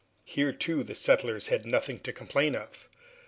Hitherto the settlers had nothing to complain of.